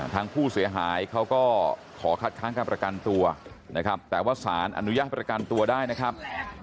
ทางผู้เสียหายเขาก็ขอคัดค้างการประกันตัวนะครับแต่ว่าสารอนุญาตประกันตัวได้นะครับ